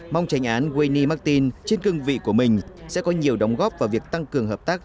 mong tranh án wayny martin trên cương vị của mình sẽ có nhiều đóng góp vào việc tăng cường hợp tác